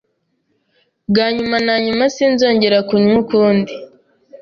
bwa nyuma nanyuma sinzongera kurunywa ukundi